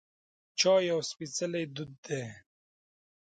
چای یو سپیڅلی دود دی.